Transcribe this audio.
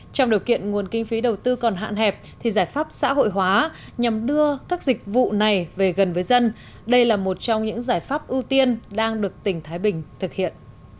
trong điều kiện nguồn kinh phí đầu tư còn hạn hẹp thì giải pháp xã hội hóa nhằm đưa các dịch vụ này về gần với dân đây là một trong những giải pháp ưu tiên đang được tỉnh thái bình thực hiện